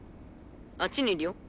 あっちにいるよ。